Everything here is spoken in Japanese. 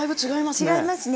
違いますね。